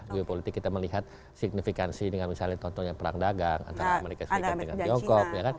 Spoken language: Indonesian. geopolitik kita melihat signifikansi dengan misalnya contohnya perang dagang antara amerika serikat dengan tiongkok